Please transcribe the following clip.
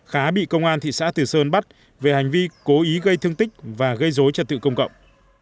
khá bị công an thị xã từ sơn bắt về hành vi cố ý gây thương tích và gây dối trật tự công cộng